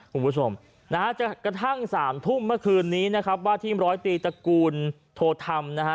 คุณผู้ชมนะฮะจนกระทั่งสามทุ่มเมื่อคืนนี้นะครับว่าทีมร้อยตีตระกูลโทธรรมนะฮะ